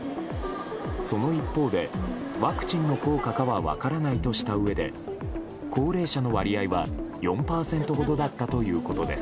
その一方で、ワクチンの効果かは分からないとしたうえで高齢者の割合は４％ほどだったということです。